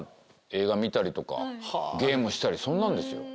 映画見たりとかゲームしたりそんなんですよ。